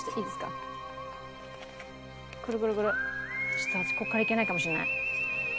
ちょっと私ここからいけないかもしれない。